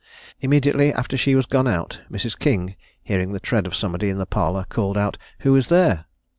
Immediately after she was gone out, Mrs. King, hearing the tread of somebody in the parlour, called out, "Who is there?"